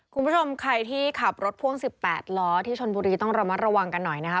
คุณผู้ชมใครที่ขับรถพ่วง๑๘ล้อที่ชนบุรีต้องระมัดระวังกันหน่อยนะคะ